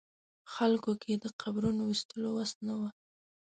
خلکو کې د قبرونو ویستلو وس نه و.